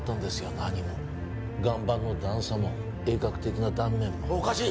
何も岩盤の段差も鋭角的な断面もおかしい